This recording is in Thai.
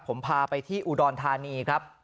ผมพาไปที่อุดรธานีครับ